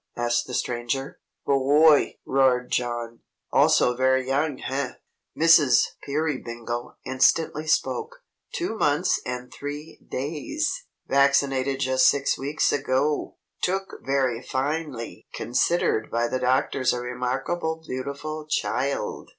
asked the Stranger. "Bo o oy!" roared John. "Also very young, eh?" Mrs. Peerybingle instantly spoke. "Two months and three da ays. Vaccinated just six weeks ago o! Took very fine ly! Considered by the doctors a remarkably beautiful chi ild!